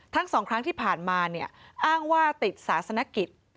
ทั้งสองครั้งที่ผ่านมาเนี่ยอ้างว่าติดศาสนกิจ